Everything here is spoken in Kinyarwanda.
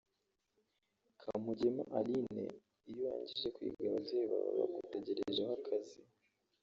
Kamugema Aline ati “Iyo urangije kwiga ababyeyi baba bagutegerejeho akazi